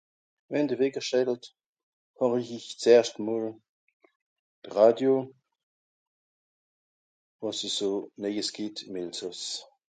wenn de Wecker schällt, horich ich zerscht mol de Radio, wàs e so nejes gìtt ìm Elsàss